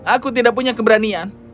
aku tidak punya keberanian